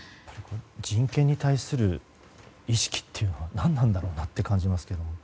人権に対する意識というのが何なんだろうなと感じますけど。